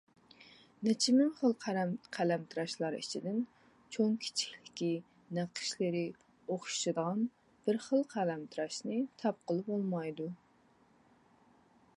نەچچە مىڭ تال قەلەمتىراشلار ئىچىدىن چوڭ- كىچىكلىكى، نەقىشلىرى ئوخشىشىدىغان بىر خىل قەلەمتىراشنى تاپقىلى بولمايدۇ.